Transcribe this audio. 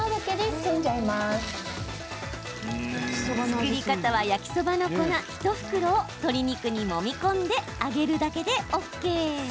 作り方は、焼きそばの粉１袋を鶏肉に、もみ込んで揚げるだけでＯＫ。